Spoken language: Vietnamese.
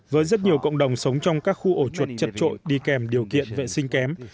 với rất nhiều cộng đồng sống trong các khu ổ chuột chật trội đi kèm điều kiện vệ sinh kém